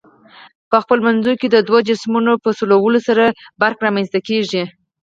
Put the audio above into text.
په خپلو منځو کې د دوو جسمونو په سولولو سره برېښنا رامنځ ته کیږي.